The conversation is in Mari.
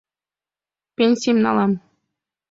Пенсийым налам.